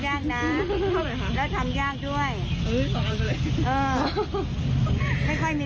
เอาใส่ถุงเดียวกัน